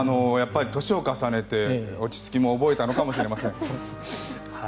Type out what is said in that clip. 年を重ねて落ち着きも覚えたのかもしれません。